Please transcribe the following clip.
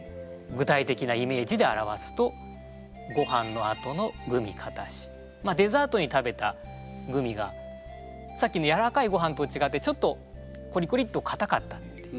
具体的なイメージで表すとまあデザートに食べたグミがさっきのやわらかいごはんと違ってちょっとコリコリッとかたかった。